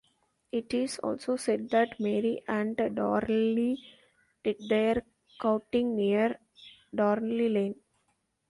It is also said that Mary and Darnley did their courting near Darnley Lane.